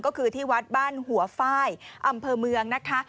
ก็คือที่วัดบ้านหัวฝ้ายอำเภอเมืองนะคะ